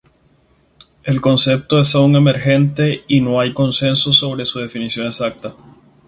El concepto es aún emergente y no hay consenso sobre su definición exacta.